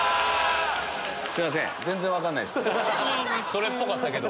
それっぽかったけど。